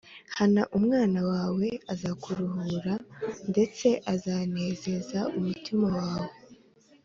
hana umwana wawe azakuruhura ndetse azanezeza umutima wawe